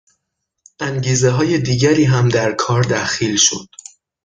انگیزههای دیگری هم در کار دخیل شد.